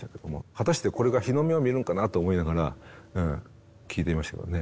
果たしてこれが日の目を見るんかなと思いながら聞いていましたけどね。